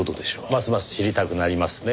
ますます知りたくなりますねぇ。